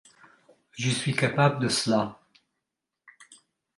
Je suis capable de cela.